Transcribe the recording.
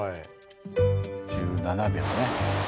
１７秒ね。